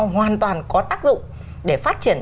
hoàn toàn có tác dụng để phát triển